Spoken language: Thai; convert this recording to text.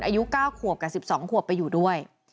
อายุเก้าขวบกับสิบสองขวบไปอยู่ด้วย